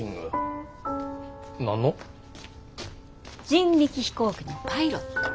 人力飛行機のパイロット。